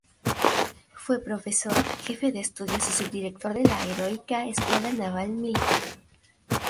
Fue profesor, jefe de estudios y subdirector de la Heroica Escuela Naval Militar.